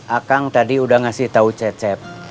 akang tadi udah ngasih tahu cecep